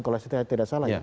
kalau saya tidak salah ya